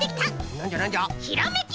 なんじゃなんじゃ？